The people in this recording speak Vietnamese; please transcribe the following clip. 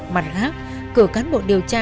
mặt khác cửa cán bộ điều tra